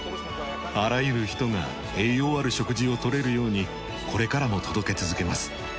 あらゆる人が栄養ある食事を取れるようにこれからも届け続けます。